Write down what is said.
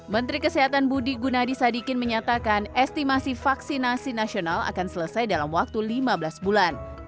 menteri kesehatan budi gunadi sadikin menyatakan estimasi vaksinasi nasional akan selesai dalam waktu lima belas bulan